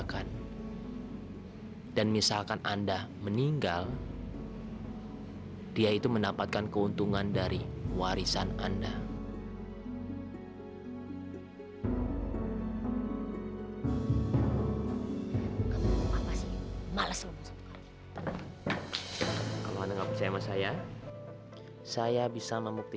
ketangan putri saya clio